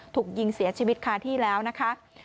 ถูกยิงเสียชีวิตคาที่แล้วนะคะ